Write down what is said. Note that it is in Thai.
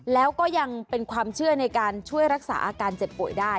แล้วก็ยังเป็นความเชื่อในการช่วยรักษาอาการเจ็บป่วยได้